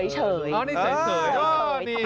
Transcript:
เฉย